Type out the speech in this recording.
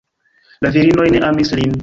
La virinoj ne amis lin.